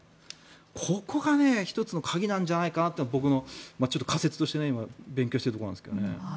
ここが１つの鍵なんじゃないかなというのが僕の仮説として今、勉強しているところなんですけどね。